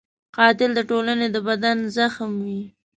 قاتل د ټولنې د بدن زخم وي